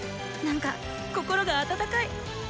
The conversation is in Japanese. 何か心が温かい。